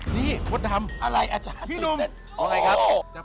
นี่พ่อดำอะไรอาจารย์พี่นุ่มอะไรครับ